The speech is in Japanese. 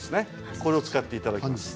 これを使っていただきます。